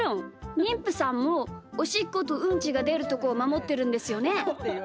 にんぷさんも、おしっことうんちがでるところをまもってるんですよね？